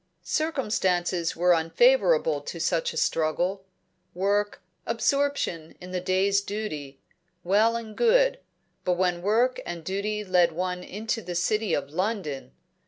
Circumstances were unfavourable to such a struggle. Work, absorption in the day's duty, well and good; but when work and duty led one into the City of London!